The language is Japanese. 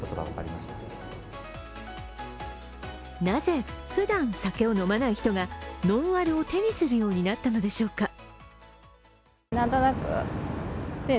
なぜ、ふだん酒を飲まない人がノンアルを手にするようになったのでしょうか。